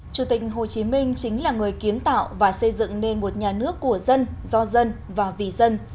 chủ tịch hồ chí minh chính là người kiến tạo và xây dựng nên một nhà nước của dân do dân và vì dân